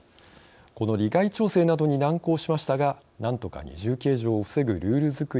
この利害調整などに難航しましたがなんとか二重計上を防ぐルール作りでも合意。